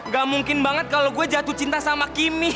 gak mungkin banget kalo gue jatuh cinta sama kimi